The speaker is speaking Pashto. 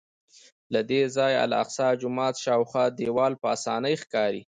له دې ځایه د الاقصی جومات شاوخوا دیوال په اسانۍ ښکاري.